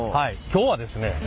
今日はですね